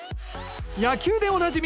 野球でおなじみ